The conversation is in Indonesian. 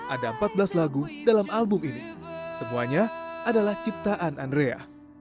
ada empat belas lagu dalam album ini semuanya adalah ciptaan andrea